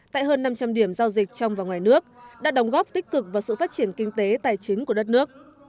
tại hơn năm trăm linh điểm giao dịch trong và ngoài nước đã đồng góp tích cực vào sự phát triển kinh tế tài chính của đất nước